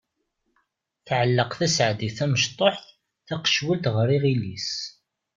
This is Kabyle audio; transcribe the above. Tɛelleq Tasaɛdit tamecṭuḥt taqecwalt ɣer yiɣil-is.